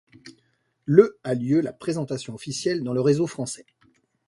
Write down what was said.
Le a lieu la présentation officielle dans le réseau français.